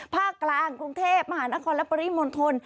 ภาคกลางกรุงเทพมหานครและปริมณฑล